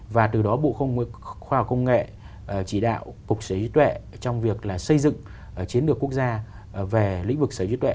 và từ đó bộ khoa học công nghệ chỉ đạo cục sở hữu trí tuệ trong việc xây dựng chiến lược quốc gia về lĩnh vực sở hữu trí tuệ